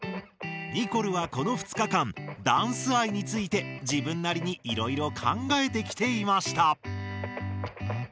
ニコルはこの２日間ダンス愛について自分なりにいろいろ考えてきていました。